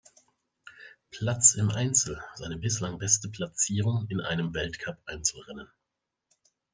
Platz im Einzel seine bislang beste Platzierung in einem Weltcup-Einzelrennen.